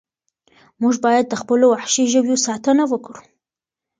موږ باید د خپلو وحشي ژویو ساتنه وکړو.